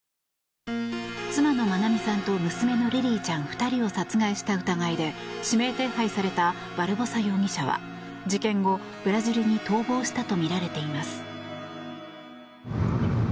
妻の愛美さんと娘のリリィちゃん２人を殺害した疑いで指名手配されたバルボサ容疑者は事件後、ブラジルに逃亡したとみられています。